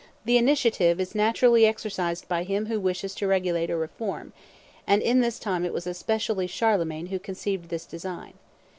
The initiative is naturally exercised by him who wishes to regulate or reform, and in his time it was especially Charlemagne who conceived this design.